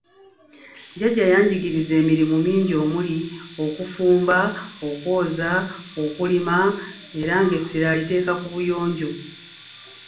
Jjajja yanjigiriza emirimu mingi omuli; okufumba, okwoza, okulima era ng'essira aliteeka ku buyonjo.